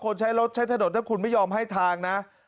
ใช้รถใช้ถนนถ้าคุณไม่ยอมให้ทางนะ